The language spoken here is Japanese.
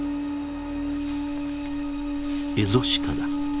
エゾシカだ。